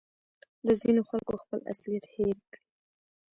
دا ځینو خلکو خپل اصلیت هېر کړی